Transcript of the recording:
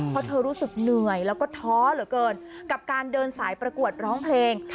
เพราะเธอรู้สึกเหนื่อยแล้วก็ท้อเหลือเกินกับการเดินสายประกวดร้องเพลง